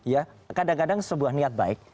ya kadang kadang sebuah niat baik